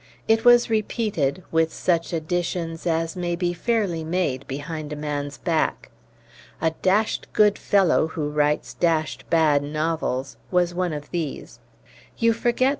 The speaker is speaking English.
It was repeated, with such additions as may be fairly made behind a man's back. "A dashed good fellow, who writes dashed bad novels," was one of these. "You forget!"